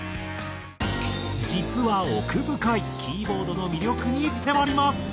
実は奥深いキーボードの魅力に迫ります。